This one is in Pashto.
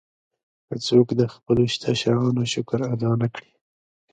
که څوک د خپلو شته شیانو شکر ادا نه کړي.